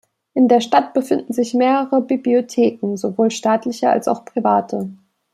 In der Stadt befinden sich mehrere Bibliotheken, sowohl staatliche als auch private.